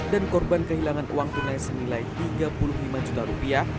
dan korban kehilangan uang tunai semilai tiga puluh lima juta rupiah